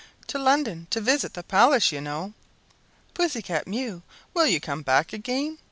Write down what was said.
"To London, to visit the palace, you know." "Pussy cat Mew, will you come back again?"